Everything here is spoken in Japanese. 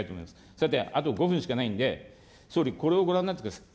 さて、あと５分しかないんで、総理、これをご覧になってください。